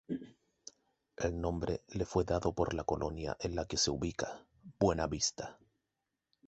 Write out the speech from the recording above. El nombre le fue dado por la colonia en la que se ubica: Buenavista.